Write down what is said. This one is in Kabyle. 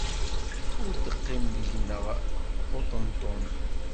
Ur d-iqqim deg-neɣ uṭenṭun.